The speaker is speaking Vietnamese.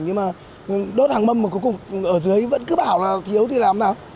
nhưng mà đốt hàng mâm mà cuối cùng ở dưới vẫn cứ bảo là thiếu thì làm nào